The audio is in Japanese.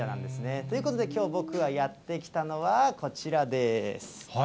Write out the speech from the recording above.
ということで、きょう僕がやって来たのは、こちらです。